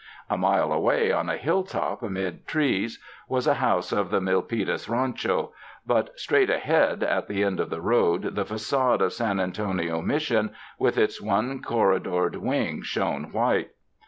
A mile away, on a hill top amid trees, was a house of the Milpitas Rancho, but straight ahead at the end of the road the fagade of San Antonio Mission with its one corridored wing shone white.